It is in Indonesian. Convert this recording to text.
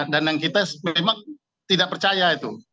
dan yang kita memang tidak percaya